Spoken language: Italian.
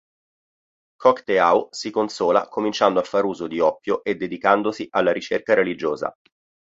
Cocteau si consola cominciando a far uso di oppio e dedicandosi alla ricerca religiosa.